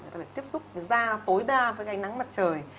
ta phải tiếp xúc ra tối đa với cái nắng mặt trời